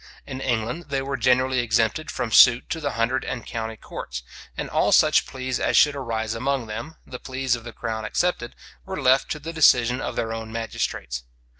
In England they were generally exempted from suit to the hundred and county courts: and all such pleas as should arise among them, the pleas of the crown excepted, were left to the decision of their own magistrates.